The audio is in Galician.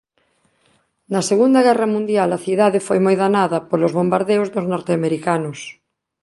Na Segunda Guerra Mundial a cidade foi moi danada polos bombardeos dos norteamericanos.